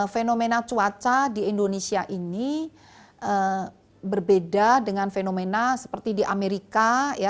fenomena cuaca di indonesia ini berbeda dengan fenomena seperti di amerika